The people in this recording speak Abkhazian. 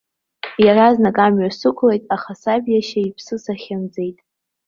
Иаразнак амҩа сықәлеит, аха сабиашьа иԥсы сахьымӡеит.